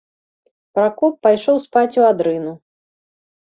Пракоп пайшоў спаць у адрыну.